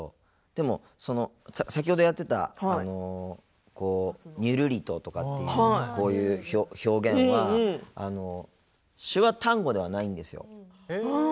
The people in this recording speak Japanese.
でも、先ほどやってた「にゅるりと」とかっていう表現は手話単語ではないんですよ。